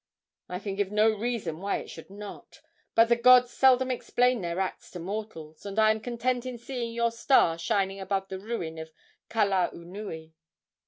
"I can give no reason why it should not; but the gods seldom explain their acts to mortals, and I am content in seeing your star shining above the ruin of Kalaunui."